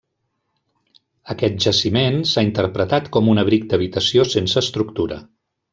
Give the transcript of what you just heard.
Aquest jaciment s'ha interpretat com un abric d'habitació sense estructura.